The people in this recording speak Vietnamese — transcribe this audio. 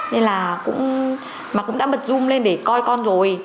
nên là cũng mà cũng đã bật rum lên để coi con rồi